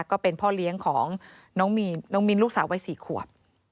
ก็เป็นพ่อเลี้ยงของน้องมิ้นลูกสาววัย๔ขวบ